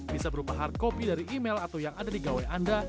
bisa berupa hard copy dari email atau yang ada di gawai anda